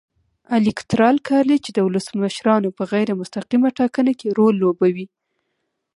الېکترال کالج د ولسمشرانو په غیر مستقیمه ټاکنه کې رول لوبوي.